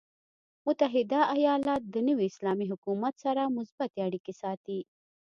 متحده ایالات د نوي اسلامي حکومت سره مثبتې اړیکې ساتي.